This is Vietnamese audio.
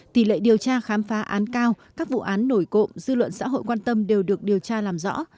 tỷ lệ điều tra khám phá án cao các vụ án nổi cộng dư luận xã hội quan tâm đều được điều tra làm rõ